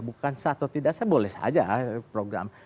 bukan satu tidak saya boleh saja program